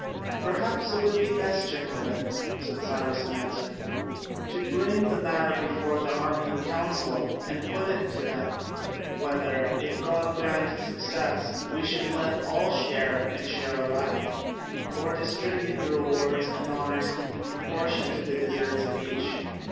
"Perhaps it would be best, gentlemen," said Cyrus in answer, "to bring the matter before the army in council and put it to them, whether, if God grant us success, we should let all share and share alike, or distribute the rewards and honours in proportion to the deserts of each."